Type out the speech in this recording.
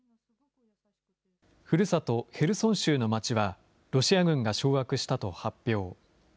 ふるさとヘルソン州の街はロシア軍が掌握したと発表。